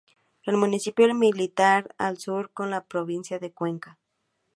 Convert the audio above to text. El municipio limita al sur con la provincia de Cuenca.